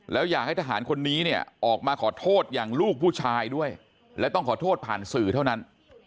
แล้วอยากให้ทหารคนนี้เนี่ยออกมาขอโทษอย่างลูกผู้ชายด้วยและต้องขอโทษผ่านสื่อเท่านั้น